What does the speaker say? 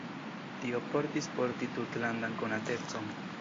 Tio portis por li tutlandan konatecon.